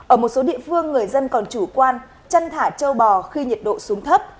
ở một số địa phương người dân còn chủ quan chăn thả châu bò khi nhiệt độ xuống thấp